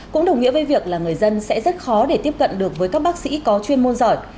cũng đồng nghĩa với việc là người dân sẽ rất khó để tiếp cận được với các bác sĩ có chuyên môn giỏi